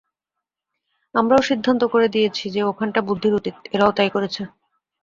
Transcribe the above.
আমরাও সিদ্ধান্ত করে দিয়েছি যে ওখানটা বুদ্ধির অতীত, এরাও তাই করেছে।